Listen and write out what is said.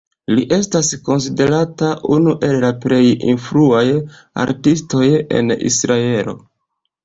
Li estas konsiderata unu el la plej influaj artistoj en Israelo.